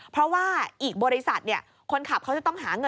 เพราะว่าอีกบริษัทคนขับเขาจะต้องหาเงิน